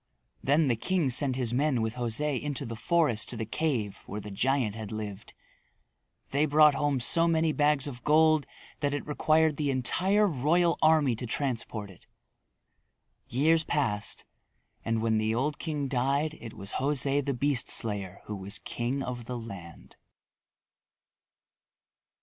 Then the king sent his men with José into the forest to the cave where the giant had lived. They brought home so many bags of gold that it required the entire royal army to transport it. Years passed, and when the old king died it was José the Beast Slayer who was king of the land.